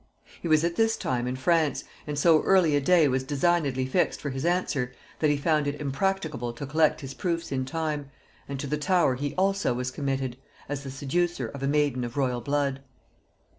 He was at this time in France, and so early a day was designedly fixed for his answer, that he found it impracticable to collect his proofs in time, and to the Tower he also was committed, as the seducer of a maiden of royal blood.